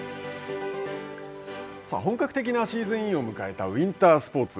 さあ、本格的なシーズンインを迎えたウインタースポーツ。